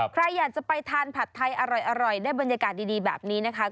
ใครอยากจะไปทานผัดไทยอร่อยได้บรรยากาศดีแบบนี้นะคะ